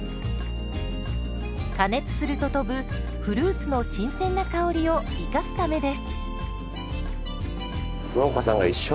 加熱すると飛ぶフルーツの新鮮な香りを生かすためです。